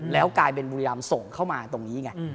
แล้วกลายเป็นบุรีรำส่งเข้ามาตรงนี้ไง